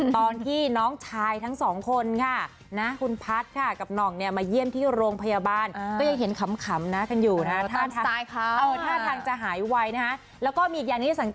ตอนที่สองคนคุณพัทว์มาเยี่ยมที่โรงพยาบาลก็ยังเห็นขำกันอยู่นะ